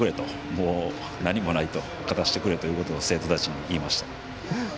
もう何もない、勝たせてくれと生徒たちに言いました。